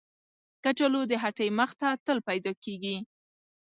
کچالو د هټۍ مخ ته تل پیدا کېږي